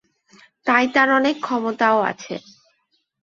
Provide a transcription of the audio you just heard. তাই তার অনেক ক্ষমতাও আছে।